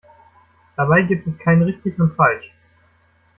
Dabei gibt es kein Richtig und Falsch.